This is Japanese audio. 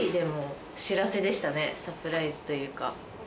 サプライズというか。